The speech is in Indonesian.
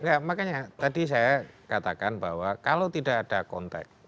ya makanya tadi saya katakan bahwa kalau tidak ada konteks